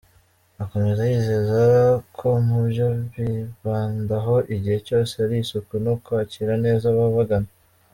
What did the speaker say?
Akomeza yizeza ko mu byo bibandaho igihe cyose ali isuku no kwakira neza ababagana.